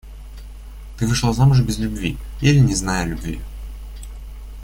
Ты вышла замуж без любви или не зная любви.